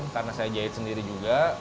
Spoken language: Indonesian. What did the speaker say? karena saya jahit sendiri juga